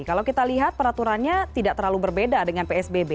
kalau kita lihat peraturannya tidak terlalu berbeda dengan psbb